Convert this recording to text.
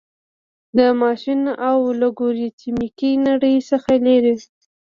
د ماشیني او الګوریتمیکي نړۍ څخه لیري